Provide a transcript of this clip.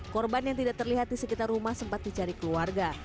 korban yang tidak terlihat di sekitar rumah sempat dicari keluarga